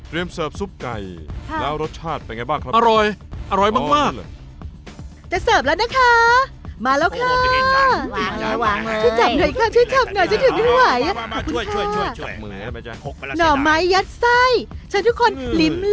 อร่อยจริงอร่อยเกินห้ามใจ